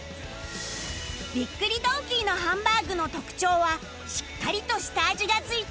びっくりドンキーのハンバーグの特徴はしっかりと下味がついた肉ダネ